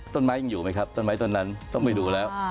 ต้นไม้ยังอยู่ไหมครับต้นไม้ต้นนั้นต้องไปดูแล้ว